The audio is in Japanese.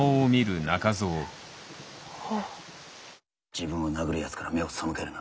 自分を殴るやつから目を背けるな。